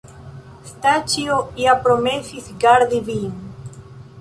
Staĉjo ja promesis gardi vin.